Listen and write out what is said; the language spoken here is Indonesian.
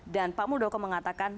dan pak muldoko mengatakan